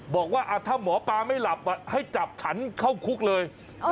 บอกว่าถ้าหมอปลาไม่หลับให้จับฉันเข้าคุกเลย